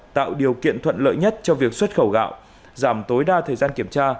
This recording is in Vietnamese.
tạo điều kiện thuận lợi nhất cho việc xuất khẩu gạo giảm tối đa thời gian kiểm tra